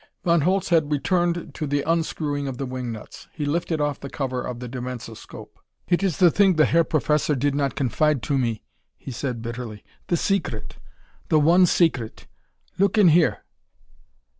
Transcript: Von Holtz had returned to the unscrewing of the wing nuts. He lifted off the cover of the dimensoscope. "It is the thing the Herr Professor did not confide to me," he said bitterly. "The secret. The one secret! Look in here."